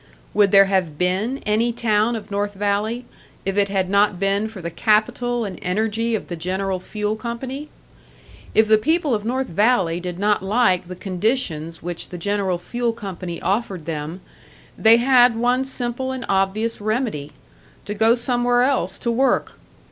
Would there have been any town of North Valley, if it had not been for the capital and energy of the General Fuel Company? If the people of North Valley did not like the conditions which the General Fuel Company offered them, they had one simple and obvious remedy to go somewhere else to work.